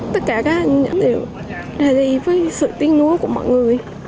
tất cả các anh đều ra đi với sự tiếng nuốt của mọi người